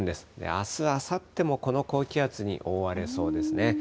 あす、あさってもこの高気圧に覆われそうですね。